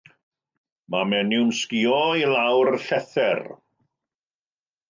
Mae menyw'n sgïo i lawr llethr.